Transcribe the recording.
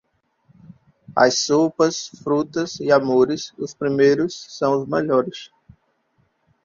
As sopas, frutas e amores, os primeiros são os melhores.